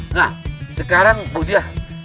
nah sekarang bu diyah